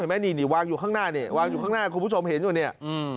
นี่นี่วางอยู่ข้างหน้านี่วางอยู่ข้างหน้าคุณผู้ชมเห็นอยู่เนี่ย